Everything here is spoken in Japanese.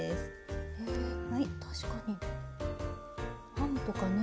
ハムとかね